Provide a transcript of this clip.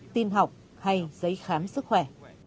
tin học hay giấy khám sức khỏe